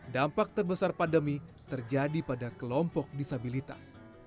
dampak terbesar pandemi terjadi pada kelompok disabilitas